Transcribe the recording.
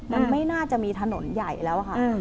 มันไม่น่าจะมีถนนใหญ่แล้วค่ะ